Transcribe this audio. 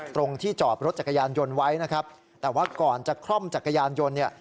ตรงที่จอบรถจักรยานยนต์ไว้นะครับแต่ว่าก่อนจะคล่อมจักรยานยนต์เนี่ย